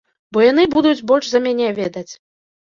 Бо яны будуць больш за мяне ведаць.